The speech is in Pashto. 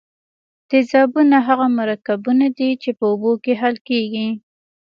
تیزابونه هغه مرکبونه دي چې په اوبو کې حل کیږي.